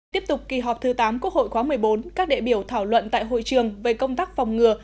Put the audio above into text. tiếp tục kỳ họp thứ tám quốc hội khóa một mươi bốn các đệ biểu thảo luận tại hội trường về công tác phòng ngừa